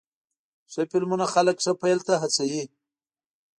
ښه فلمونه خلک ښه پیل ته هڅوې.